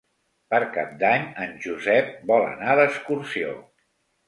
Per Cap d'Any en Josep vol anar d'excursió.